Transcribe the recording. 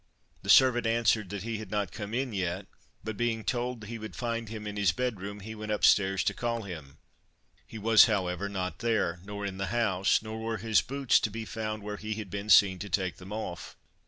The servant answered that he had not come in yet; but, being told that he would find him in his bed room, he went up stairs to call him. He was, however, not there nor in the house; nor were his boots to be found where he had been seen to take them off.